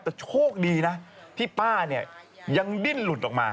แต่โชคดีนะที่ป้าเนี่ยยังดิ้นหลุดออกมา